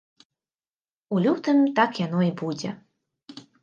У лютым так яно і будзе.